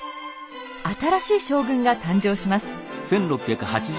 新しい将軍が誕生します。